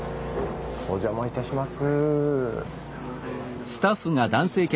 お邪魔致します。